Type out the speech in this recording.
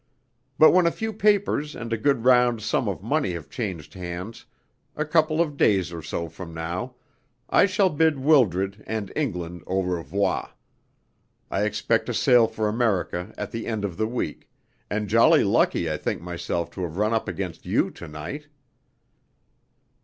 But when a few papers and a good round sum of money have changed hands, a couple of days or so from now, I shall bid Wildred and England au revoir. I expect to sail for America at the end of the week, and jolly lucky I think myself to have run up against you to night."